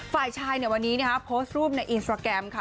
ฝ่ายชายวันนี้โพสต์รูปในอินสตราแกรมค่ะ